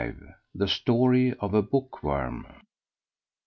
THE STORY OF A BOOKWORM.